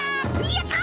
やった！